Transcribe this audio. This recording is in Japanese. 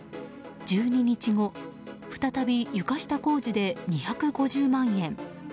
１２日後再び床下工事で２５０万円。